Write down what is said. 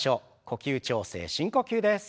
呼吸調整深呼吸です。